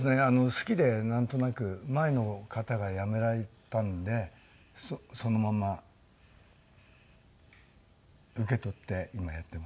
好きでなんとなく前の方がやめられたのでそのまま受け取って今やってます。